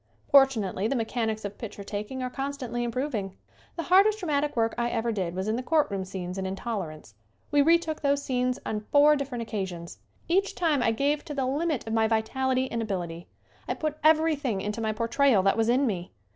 Fortunately the mechanics of picture taking are constantly improving. The hardest dramatic work I ever did was in the courtroom scenes in "Intolerance." We retook these scenes on four different occa sions. Each time I gave to the limit of my vitality and ability. I put everything into my portrayal that was in me.